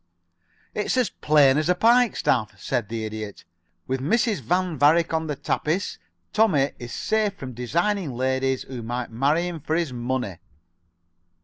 "It's as plain as a pike staff," said the Idiot. "With Mrs. Van Varick on the tapis, Tommie is safe from designing ladies who might marry him for his money."